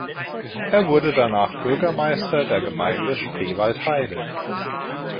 Er wurde danach Bürgermeister der Gemeinde Spreewaldheide.